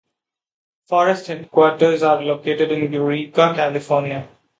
Forest headquarters are located in Eureka, California.